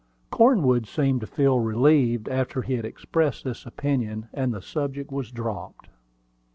Cornwood seemed to feel relieved after he had expressed this opinion, and the subject was dropped.